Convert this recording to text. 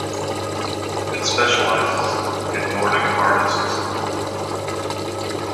It specializes in Nordic artists.